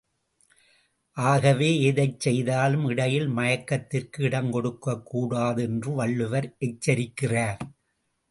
ஆகவே, எதைச் செய்தாலும் இடையில் மயக்கத்திற்கு இடங்கொடுக்கக் கூடாது என்று வள்ளுவர் எச்சரிக்கிறார்.